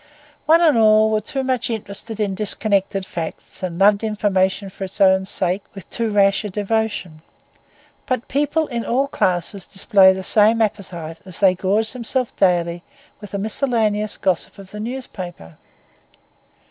One and all were too much interested in disconnected facts, and loved information for its own sake with too rash a devotion; but people in all classes display the same appetite as they gorge themselves daily with the miscellaneous gossip of the newspaper.